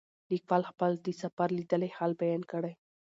لیکوال خپل د سفر لیدلی حال بیان کړی.